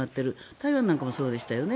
台湾なんかもそうでしたよね。